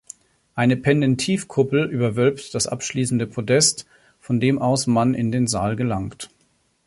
Eine Pendentifkuppel überwölbt das abschließende Podest, von dem aus man in den Saal gelangt.